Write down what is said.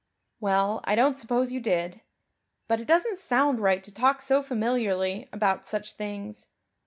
"Well I don't suppose you did but it doesn't sound right to talk so familiarly about such things.